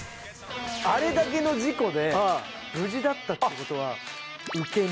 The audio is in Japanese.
あれだけの事故で無事だったって事は受け身。